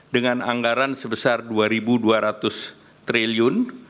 dengan anggaran sebesar rp dua dua ratus triliun